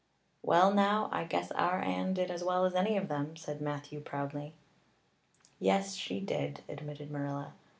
"Well now, I guess our Anne did as well as any of them," said Matthew proudly. "Yes, she did," admitted Marilla.